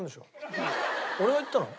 俺が言ったの？